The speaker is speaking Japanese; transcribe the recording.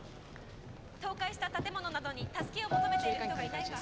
「倒壊した建物などに助けを求めている人がいないか隣近所」。